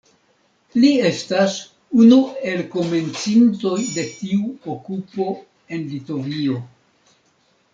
Li estas unu el komencintoj de tiu okupo en Litovio.